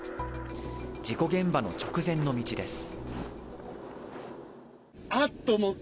事故現場の直前の道です。